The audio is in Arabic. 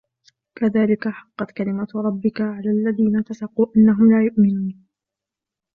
كَذَلِكَ حَقَّتْ كَلِمَتُ رَبِّكَ عَلَى الَّذِينَ فَسَقُوا أَنَّهُمْ لَا يُؤْمِنُونَ